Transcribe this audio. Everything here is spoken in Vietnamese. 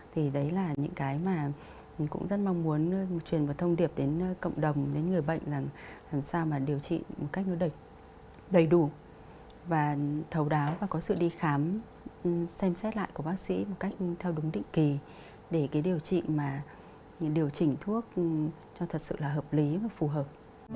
thì đấy là những cái mà mình cũng rất mong muốn truyền một thông điệp đến cộng đồng đến người bệnh là làm sao mà điều trị một cách nó đầy đủ và thầu đáo và có sự đi khám xem xét lại của bác sĩ một cách theo đúng định kỳ để điều trị thuốc cho thật sự là hợp lý và phù hợp